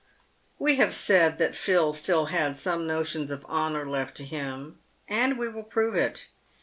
We have said that Phil still had some notions of honour left in him, and we will prove it.